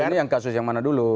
ini yang kasus yang mana dulu